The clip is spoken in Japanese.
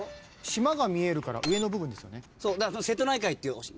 島が見えるから上の部分ですよね。